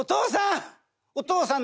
「お父さん！